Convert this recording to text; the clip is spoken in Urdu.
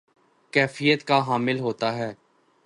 کیفیت کا حامل ہوتا ہے